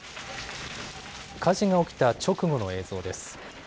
火事が起きた直後の映像です。